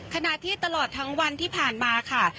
ขณะที่ตลอดทั้งวันที่ผ่านมาค่ะ